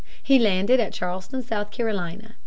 He landed at Charleston, South Carolina.